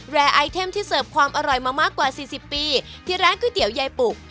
ไอเทมที่เสิร์ฟความอร่อยมามากกว่าสี่สิบปีที่ร้านก๋วยเตี๋ยวยายปุก